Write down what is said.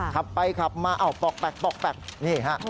ขับไปขับมาปลอกแปลกนี่ฮะ